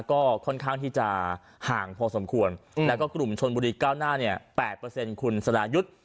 ก็ค่อนข้างที่จะห่างพอสมควรแล้วก็กลุ่มชนบุรีก้าวหน้าเนี่ย๘คุณสรายุทธ์